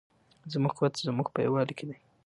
زموږ قوت په زموږ په یووالي کې دی.